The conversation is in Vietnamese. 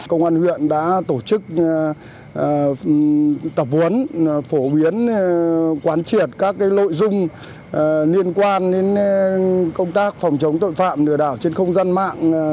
công an huyện đã tổ chức tập huấn phổ biến quán triệt các nội dung liên quan đến công tác phòng chống tội phạm nửa đảo trên không gian mạng